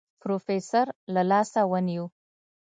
پروفيسر له لاسه ونيو.